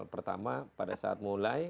pertama pada saat mulai